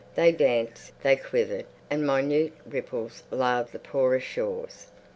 They danced, they quivered, and minute ripples laved the porous shores.